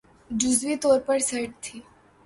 جزوی طور پر سرد تھِی